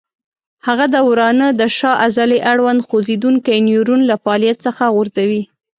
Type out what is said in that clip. هغه د ورانه د شا عضلې اړوند خوځېدونکی نیورون له فعالیت څخه غورځوي.